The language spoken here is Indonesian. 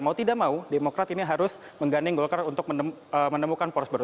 mau tidak mau demokrat ini harus mengganding golkar untuk menemukan poros baru